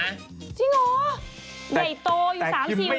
จริงหรอใหญ่โตอยู่๓๔วันหลายวันมั้ย